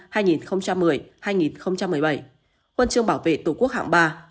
huân chương bảo vệ tổ quốc hạng ba